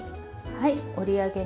はい。